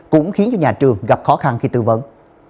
cũng khiến cho nhà trường gặp khó khăn khi tư vấn